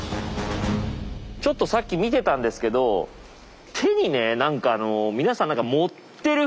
ちょっとさっき見てたんですけど手にね何か皆さん持ってるふうなんですよ。